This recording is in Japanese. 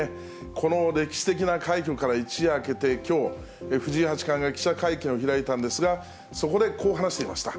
この歴史的な快挙から一夜明けて、きょう、藤井八冠が記者会見を開いたんですが、そこでこう話していました。